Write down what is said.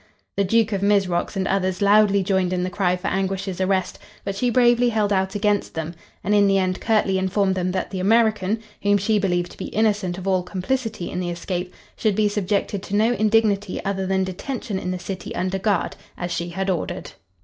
The Duke of Mizrox and others loudly joined in the cry for Anguish's arrest, but she bravely held out against them and in the end curtly informed them that the American, whom she believed to be innocent of all complicity in the escape, should be subjected to no indignity other than detention in the city under guard, as she had ordered.